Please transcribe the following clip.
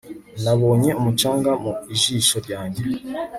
nabonye umucanga mu jisho ryanjye